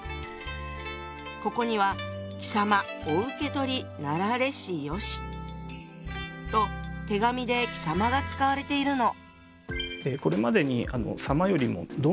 ここには「貴様御受け取りなられしよし」と手紙で「貴様」が使われているの。